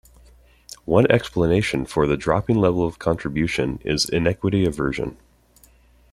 One explanation for the dropping level of contribution is inequity aversion.